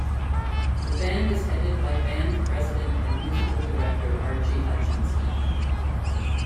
The band is headed by Band President and Musical Director Archie Hutchison.